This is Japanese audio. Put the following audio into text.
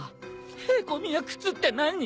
へこみや靴って何？